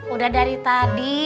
udahnya dari tadi